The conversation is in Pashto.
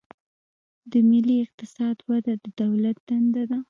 د ملي اقتصاد وده د دولت دنده ده.